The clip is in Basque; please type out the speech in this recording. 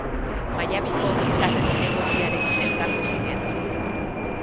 Mallabiko ongizate zinegotziarekin elkartu ziren